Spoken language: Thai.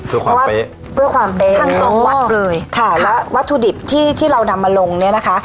เพื่อความเป๊ะเพื่อความเป็นทั้งสองวัดเลยค่ะแล้ววัตถุดิบที่ที่เรานำมาลงเนี้ยนะคะ